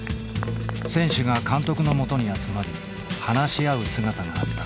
選手が監督のもとに集まり話し合う姿があった。